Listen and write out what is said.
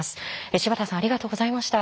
柴田さんありがとうございました。